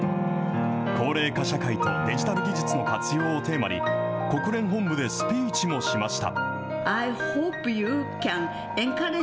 高齢化社会とデジタル技術の活用をテーマに、国連本部でスピーチもしました。